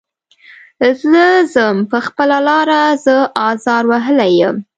زه ځم په خپله لاره زه ازار وهلی یم.